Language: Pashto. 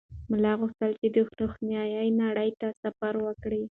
ملا غوښتل چې د روښنایۍ نړۍ ته سفر وکړي.